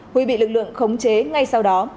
huy bị lực lượng khống chế ngay sau đó